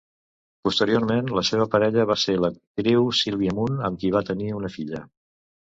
Posteriorment la seva parella va ser l'actriu Sílvia Munt amb qui va tenir una filla.